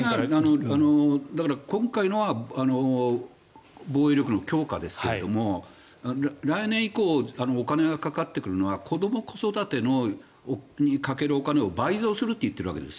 だから今回のは防衛力の強化ですけど来年以降お金がかかってくるのは子ども子育てにかけるお金を倍増すると言っているわけです。